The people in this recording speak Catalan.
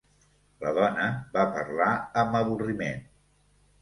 La dona va parlar amb avorriment.